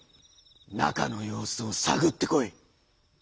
中の様子を探ってこい！」。